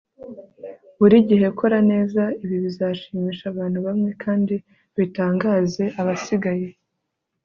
buri gihe kora neza. ibi bizashimisha abantu bamwe kandi bitangaze abasigaye